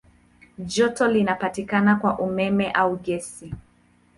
Joto linapatikana kwa umeme au gesi.